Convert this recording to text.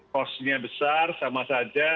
kosnya besar sama saja